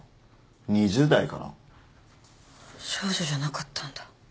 少女じゃなかったんだ。